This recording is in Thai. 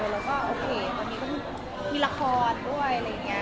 แล้วโอเคร้าวร์มีราคอนด้วยอะไรเนี้ย